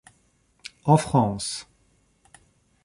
En France.